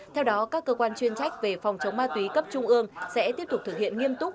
theo đó các cơ quan chuyên trách về phòng chống ma túy cấp trung ương sẽ tiếp tục thực hiện nghiêm túc